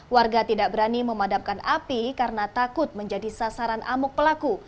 warga tidak berani memadamkan api karena takut menjadi sasaran amuk pelaku